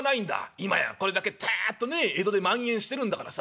今やこれだけたっとね江戸でまん延してるんだからさ。